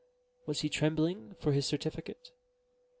Was he trembling for his certificate?